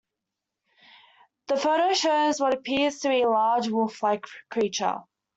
The photo shows what appears to be a large wolf-like creature.